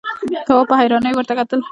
تواب په حيرانۍ ورته کتل…